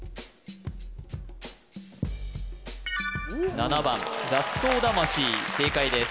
７番「雑草魂」正解です